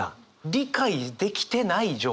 理解できてない状況。